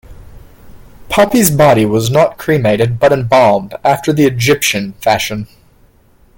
Poppaea's body was not cremated but embalmed, after the Egyptian fashion.